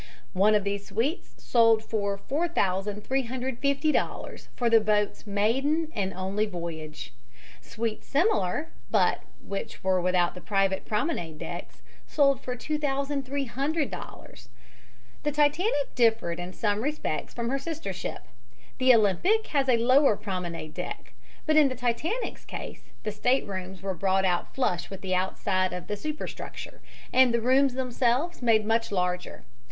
One of these suites was sold for $4350 for the boat's maiden and only voyage. Suites similar, but which were without the private promenade decks, sold for $2300. The Titanic differed in some respects from her sister ship. The Olympic has a lower promenade deck, but in the Titanic's case the staterooms were brought out flush with the outside of the superstructure, and the rooms themselves made much larger.